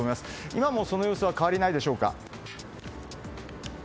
今も、その様子は変わりないでしょうか？